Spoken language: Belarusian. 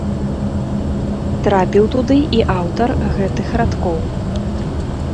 Трапіў туды і аўтар гэтых радкоў.